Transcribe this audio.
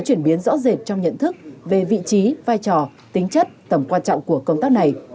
chuyển biến rõ rệt trong nhận thức về vị trí vai trò tính chất tầm quan trọng của công tác này